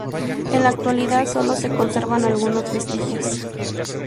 En la actualidad sólo se conservan algunos vestigios.